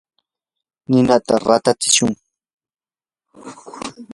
ninata ratatsishun.